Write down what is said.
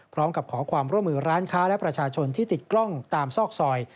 พร้อมกับขอความร่วมมือร้านค้าและประชาชนที่ติดกล้องตามซอกซอย